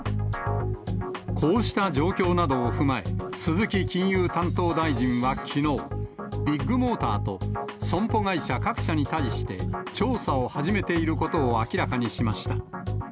こうした状況などを踏まえ、鈴木金融担当大臣はきのう、ビッグモーターと損保会社各社に対して、調査を始めていることを明らかにしました。